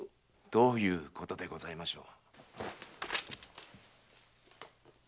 どういうことでございましょう？